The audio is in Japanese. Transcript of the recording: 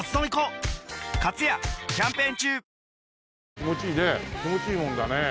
気持ちいいね気持ちいいもんだね。